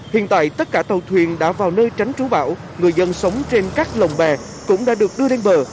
hiện tại tất cả tàu thuyền đã vào nơi tránh trú bão người dân sống trên các lồng bè cũng đã được đưa lên bờ